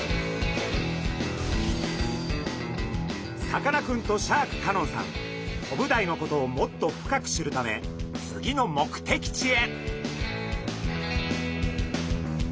さかなクンとシャーク香音さんコブダイのことをもっと深く知るため次の目的地へ。